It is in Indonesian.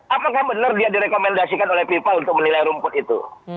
apakah benar dia direkomendasikan oleh fifa untuk menilai rumput itu